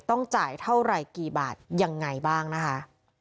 ต้องจ่ายเท่าไหร่กี่บาทยังไงบ้างนะคะ